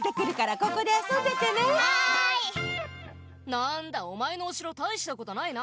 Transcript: なんだおまえのおしろたいしたことないな。